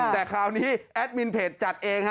แต่คราวนี้แอดมินเพจจัดเองฮะ